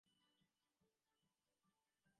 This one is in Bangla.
কুমার দেখিলেন পদ্মাবতী সুষুপ্তিপ্রাপ্তা হইয়াছেন।